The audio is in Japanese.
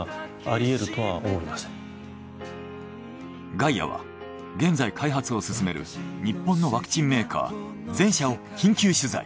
「ガイア」は現在開発を進める日本のワクチンメーカー全社を緊急取材。